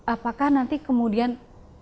apakah nanti kemudian dewas lagi